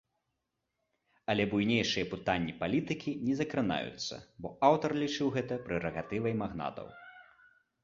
Але буйнейшыя пытанні палітыкі не закранаюцца, бо аўтар лічыў гэта прэрагатывай магнатаў.